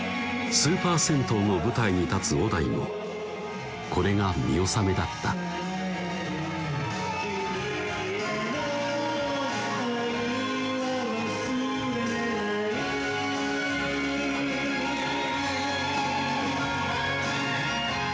スーパー銭湯の舞台に立つ小田井もこれが見納めだった「君への愛は忘れない」